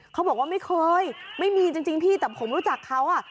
เขาบอกว่าไม่เคยไม่มีจริงพี่แต่ผมรู้จักเขาอ่ะ